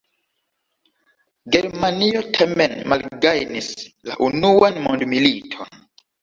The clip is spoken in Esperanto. Germanio tamen malgajnis la Unuan mondmiliton.